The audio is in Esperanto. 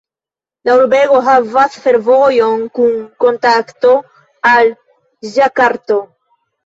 La urbego havas fervojon kun kontakto al Ĝakarto.